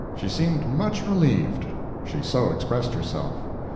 She seemed much relieved. She so expressed herself.